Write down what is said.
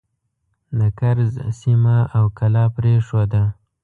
د کرز سیمه او کلا پرېښوده.